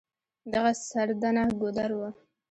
دغه سردنه ګودر و.